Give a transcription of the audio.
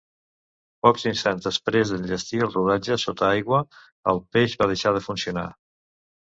Pocs instants després d'enllestir el rodatge sota aigua, el peix va deixar de funcionar.